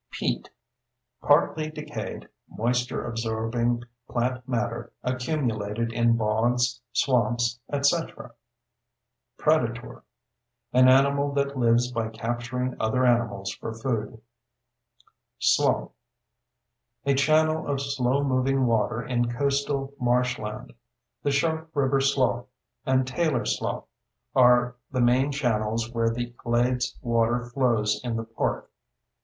PEAT: Partly decayed, moisture absorbing plant matter accumulated in bogs, swamps, etc. PREDATOR: An animal that lives by capturing other animals for food. SLOUGH: A channel of slow moving water in coastal marshland. The Shark River Slough and Taylor Slough are the main channels where the glades water flows in the park.